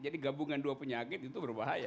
jadi gabungan dua penyakit itu berbahaya